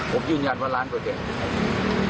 ผมยืนยันว่าล้านตัวเสีย